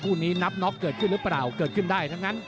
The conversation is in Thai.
คู่นี้นับน็อกเกิดขึ้นหรือเปล่าเกิดขึ้นได้ทั้งนั้น